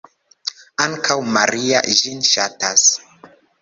Ankaŭ Maria ĝin ŝatas.